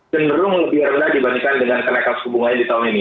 cenderung lebih rendah dibandingkan dengan kenaikan suku bunganya di tahun ini